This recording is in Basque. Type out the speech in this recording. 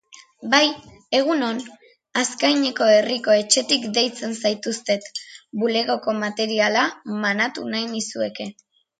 Bai, egun on; Azkaineko Herriko Etxetik deitzen zaituztet; bulegoko materiala manatu nahi nizueke.